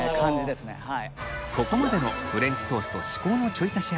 ここまでのフレンチトースト至高のちょい足し